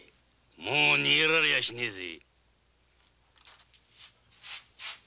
もう逃げられはしねえぜ！